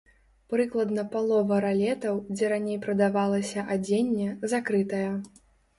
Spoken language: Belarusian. Прыкладна палова ралетаў, дзе раней прадавалася адзенне, закрытая.